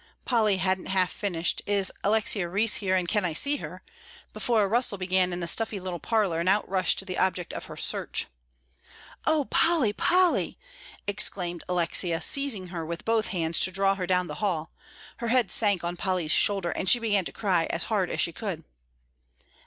Polly hadn't half finished, "Is Alexia Rhys here, and can I see her?" before a rustle began in the stuffy little parlor, and out rushed the object of her search. "Oh, Polly, Polly!" exclaimed Alexia, seizing her with both hands to draw her down the hall; her head sank on Polly's shoulder and she began to cry as hard as she could.